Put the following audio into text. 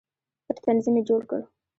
پټ تنظیم یې جوړ کړ.